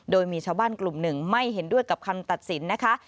โดยมีชาวบ้านกลุ่มหนึ่งไม่เห็นด้วยกับคำตัดสินนะคะ